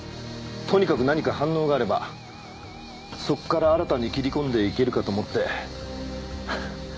とにかく何か反応があればそこから新たに切り込んでいけるかと思って。